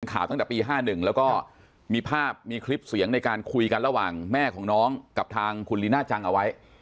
ข่าวตั้งแต่ปี๕๑แล้วก็มีภาพมีคลิปเสียงในการคุยกันระหว่างแม่ของน้องกับทางคุณลีน่าจังเอาไว้